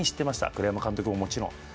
栗山監督ももちろん。